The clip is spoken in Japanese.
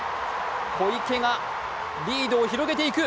小池がリードを広げていく。